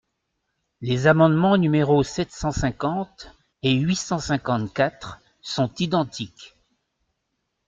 Les amendements numéros sept cent cinquante et huit cent cinquante-quatre sont identiques.